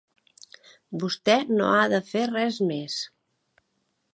Vostè no ha de fer res més.